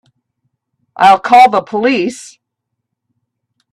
I'll call the police.